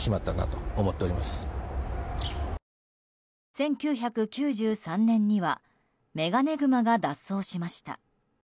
１９９３年にはメガネグマが脱走しました。